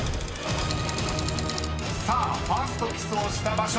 ［さあファーストキスをした場所